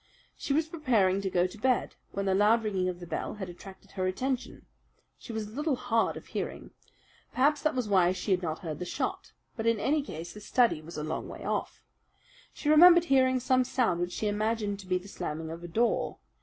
She was preparing to go to bed when the loud ringing of the bell had attracted her attention. She was a little hard of hearing. Perhaps that was why she had not heard the shot; but in any case the study was a long way off. She remembered hearing some sound which she imagined to be the slamming of a door.